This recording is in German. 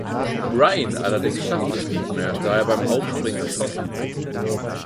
Ryan allerdings schafft es nicht mehr, da er beim Aufspringen erschossen wird.